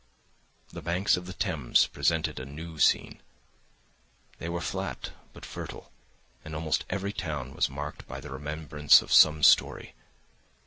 The banks of the Thames presented a new scene; they were flat but fertile, and almost every town was marked by the remembrance of some story.